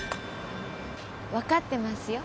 分かってますよ。